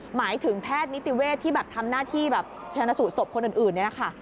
หมายถึงแพทย์นิติเวศที่แบบทำหน้าที่แบบชนะสูตรศพคนอื่นนี่แหละค่ะ